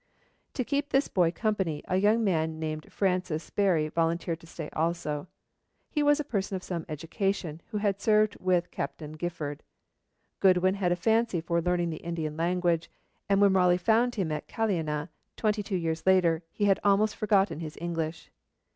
To keep this boy company, a young man named Francis Sparrey volunteered to stay also; he was a person of some education, who had served with Captain Gifford. Goodwin had a fancy for learning the Indian language, and when Raleigh found him at Caliana twenty two years later, he had almost forgotten his English.